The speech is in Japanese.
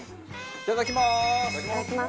いただきます。